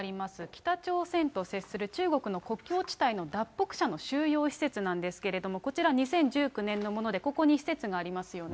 北朝鮮と接する中国の国境地帯の脱北者の収容施設なんですけれども、こちら２０１９年のもので、ここに施設がありますよね。